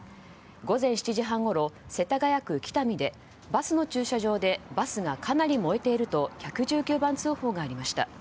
午前７時半ごろ世田谷区喜多見でバスの駐車場でバスがかなり燃えていると１１９番通報がありました。